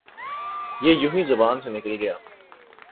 یہ یونہی زبان سے نکل گیا